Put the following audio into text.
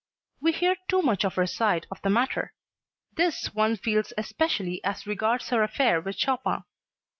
We hear too much of her side of the matter. This one feels especially as regards her affair with Chopin.